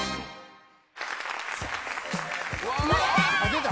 「出た。